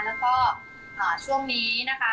แล้วก็ช่วงนี้นะคะ